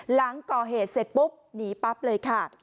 หลังก่อเหตุเสร็จปุ๊บหนีปั๊บเลยค่ะ